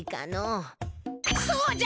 そうじゃ！